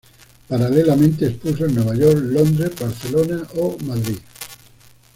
Paralelamente, expuso en Nueva York, Londres, Barcelona o Madrid.